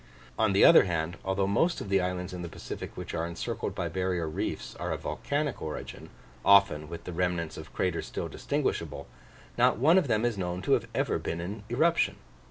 On the other hand, although most of the islands in the Pacific which are encircled by barrier reefs, are of volcanic origin, often with the remnants of craters still distinguishable, not one of them is known to have ever been in eruption.